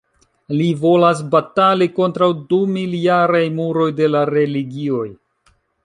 Li volas batali kontraŭ dumiljaraj muroj de la religioj.